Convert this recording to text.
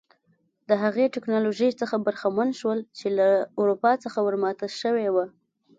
د هغې ټکنالوژۍ څخه برخمن شول چې له اروپا څخه ور ماته شوې وه.